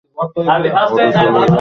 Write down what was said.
ওঠো, চল যাই।